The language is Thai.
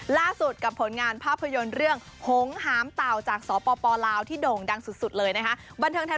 ล่าสุดกับผลงานภาพยนตร์หรือเรื่อง